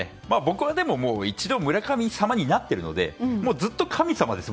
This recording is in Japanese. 一度、村神様になっているのでもうずっと神様です。